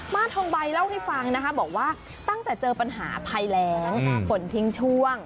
ทองใบเล่าให้ฟังนะคะบอกว่าตั้งแต่เจอปัญหาภัยแรงฝนทิ้งช่วง